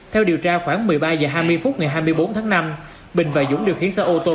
theo điều tra khoảng một mươi ba h hai mươi phút ngày hai mươi bốn tháng năm bình và dũng điều khiến xe ô tô